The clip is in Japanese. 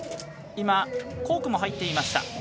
コークも入っていました。